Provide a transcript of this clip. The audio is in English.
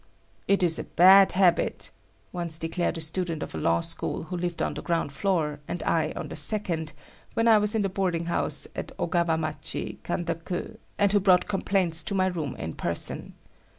"It is a bad habit," once declared a student of a law school who lived on the ground floor, and I on the second, when I was in the boarding house at Ogawa machi, Kanda ku, and who brought complaints to my room in person.